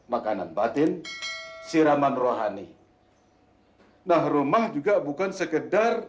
makanan batin siraman rohani nah rumah juga bukan sekedar